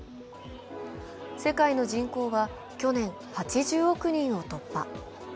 世界の人口は去年、８０億人を突破。